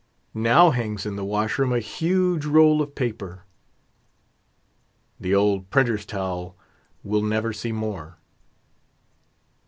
Now hangs in the washroom a huge roll of paper The old printer's towel we'll never see more.